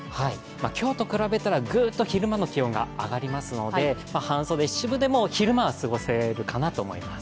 今日と比べたらグッと昼間の気温が上がりますので、半袖、七分でも昼間は過ごせるかなと思います。